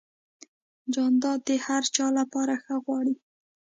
جانداد د هر چا لپاره ښه غواړي.